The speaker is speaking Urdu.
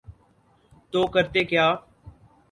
تو کرتے کیا۔